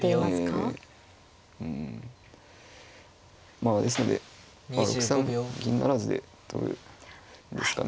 まあですので６三銀不成で取るんですかね。